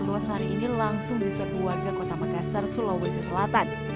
luas hari ini langsung diserbu warga kota makassar sulawesi selatan